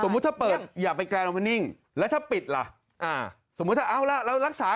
มีความสุขต้องก็แข็งต่อบ้าง